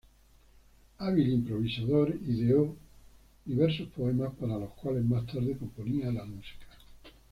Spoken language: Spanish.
Hábil improvisador, ideó diversos poemas, para los cuales más tarde componía la música.